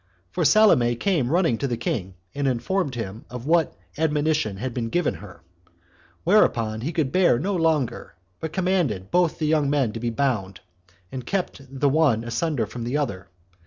For Salome came running to the king, and informed him of what admonition had been given her; whereupon he could bear no longer, but commanded both the young men to be bound, and kept the one asunder from the other.